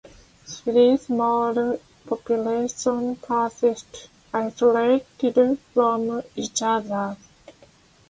Three small populations persist isolated from each other.